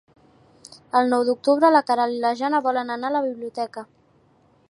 El nou d'octubre na Queralt i na Jana volen anar a la biblioteca.